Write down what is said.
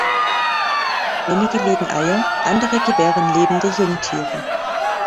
Einige legen Eier, andere gebären lebende Jungtiere.